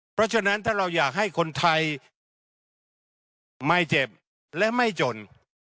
เพราะฉะนั้นถ้าเราอยากให้คนไทยทุกคนไม่เจ็บและไม่จน